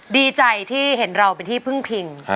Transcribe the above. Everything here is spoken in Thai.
ดีใจที่เห็นเราเป็นที่พึ่งพิง